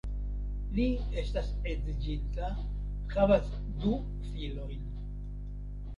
Li estas edziĝinta, havas du filojn.